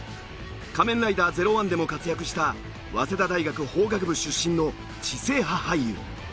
『仮面ライダーゼロワン』でも活躍した早稲田大学法学部出身の知性派俳優。